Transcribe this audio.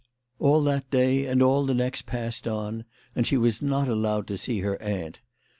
All that day and all the next passed on and she was not allowed to see her aunt.